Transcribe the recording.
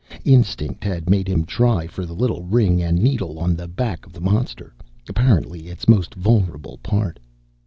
Instinct had made him try for the little ring and needle on the back of the monster, apparently its most vulnerable part.